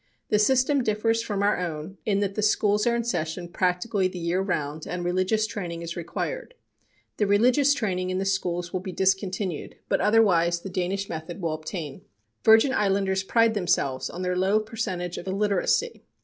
The system differs from our own in that the schools are in session practically the year round, and religious training is required. The religious training in the schools will be discontinued, but otherwise the Danish method will obtain. Virgin Islanders pride themselves on their low percentage of illiteracy.